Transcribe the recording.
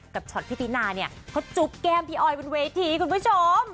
ช็อตพี่ตินาเนี่ยเขาจุ๊บแก้มพี่ออยบนเวทีคุณผู้ชม